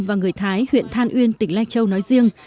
và người thái huyện than uyên tỉnh lai châu nói riêng